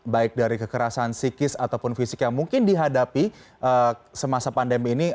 baik dari kekerasan psikis ataupun fisik yang mungkin dihadapi semasa pandemi ini